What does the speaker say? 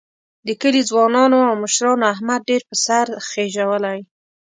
د کلي ځوانانو او مشرانو احمد ډېر په سر خېجولی.